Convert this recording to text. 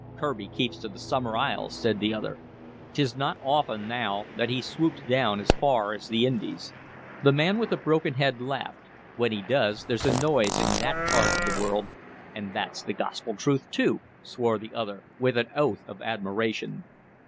"Kirby keeps to the Summer Isles," said the second. "'T is n't often now that he swoops down as far as the Indies." The man with the broken head laughed. "When he does, there's a noise in that part of the world." "And that's gospel truth, too," swore the other, with an oath of admiration.